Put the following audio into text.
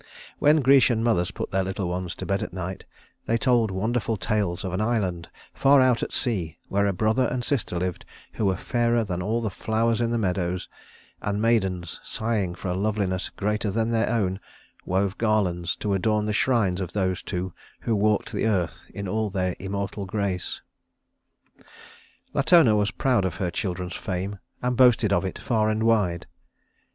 When Grecian mothers put their little ones to bed at night, they told wonderful tales of an island far out at sea where a brother and sister lived who were fairer than all the flowers in the meadows; and maidens, sighing for a loveliness greater than their own, wove garlands to adorn the shrines of those two who walked the earth in all their immortal grace. Latona was proud of her children's fame, and boasted of it far and wide.